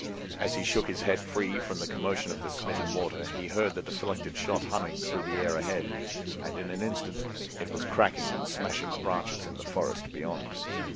As he shook his head free from the commotion of the smitten water he heard the deflected shot humming through the air ahead, and in an instant it was cracking and smashing the branches in the forest beyond.